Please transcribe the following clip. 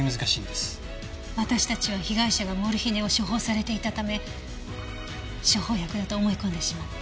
私たちは被害者がモルヒネを処方されていたため処方薬だと思い込んでしまった。